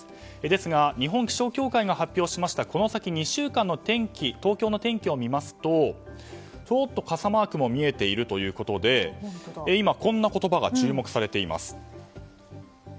ですが日本気象協会が発表しましたこの先２週間の東京の天気を見ますとちょっと傘マークも見えているということで今、こんな言葉が注目されています。